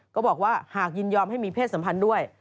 ก็บอกว่าหากยินยอมให้มีเพศสัมพันธ์ด้วย